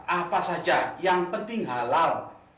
apa saja yang penting halal